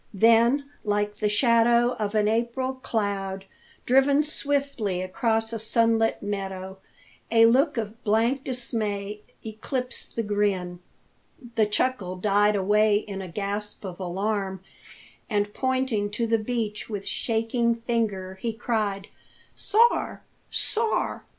Then, like the shadow of an April cloud driven swiftly across a sunlit meadow, a look of blank dismay eclipsed the grin, the chuckle died away in a gasp of alarm, and pointing to the beach with shaking finger, he cried: "Sar!